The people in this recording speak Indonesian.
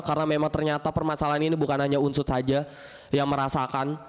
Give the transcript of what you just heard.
karena memang ternyata permasalahan ini bukan hanya unsur saja yang merasakan